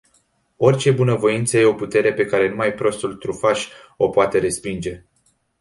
Orice bunavoință e o putere pe care numai prostul trufaș o poate respinge.